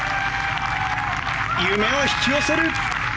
夢を引き寄せる。